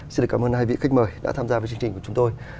xin cảm ơn hai vị khách mời đã tham gia với chương trình của chúng tôi